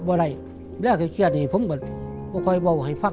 แต่ถ้าเกิดคุมเข้าของสิน